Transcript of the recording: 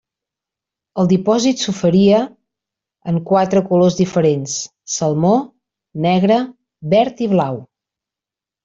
El dipòsit s'oferia en quatre colors diferents: salmó, negre, verd i blau.